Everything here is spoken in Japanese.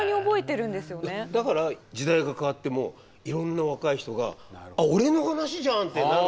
だから時代が変わってもいろんな若い人が「俺の話じゃん！」ってなる。